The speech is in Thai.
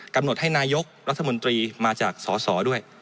กำหนดให้นายกรัฐมนตรีมาจากสสด้วย